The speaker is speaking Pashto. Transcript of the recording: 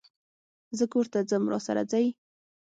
زه کور ته ځم ته، راسره ځئ؟